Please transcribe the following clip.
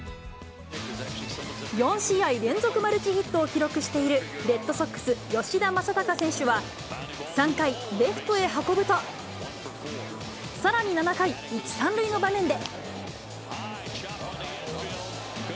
４試合連続マルチヒットを記録しているレッドソックス、吉田正尚選手は３回、レフトへ運ぶと、さらに７回、１、３塁の場面で。